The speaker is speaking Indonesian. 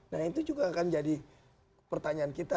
nah itu juga akan jadi pertanyaan kita